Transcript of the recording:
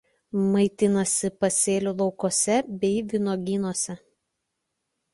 Maitinasi pasėlių laukuose bei vynuogynuose.